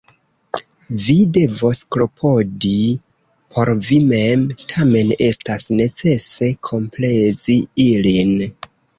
Vi devos klopodi por vi mem. Tamen estas necese komplezi ilin.